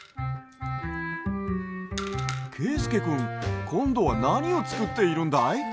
けいすけくんこんどはなにをつくっているんだい？